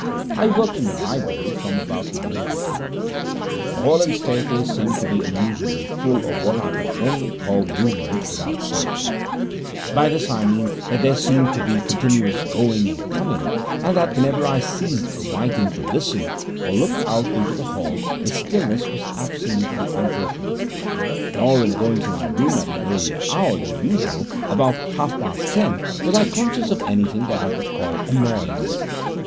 I worked in the library from about 9 to 10. The hall and staircase seemed to be unusually full of what I can only call movement without sound: by this I mean that there seemed to be continuous going and coming, and that whenever I ceased writing to listen, or looked out into the hall, the stillness was absolutely unbroken. Nor, in going to my room at an earlier hour than usual about half past ten was I conscious of anything that I could call a noise.